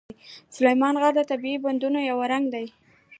سلیمان غر د طبیعي پدیدو یو رنګ دی.